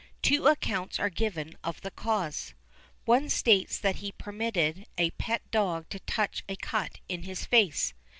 Two accounts are given of the cause. One states that he permitted a pet dog to touch a cut in his face.